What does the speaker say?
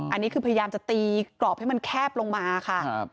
อันนี้คือพยายามจะตีกรอบให้มันแคบลงมาค่ะ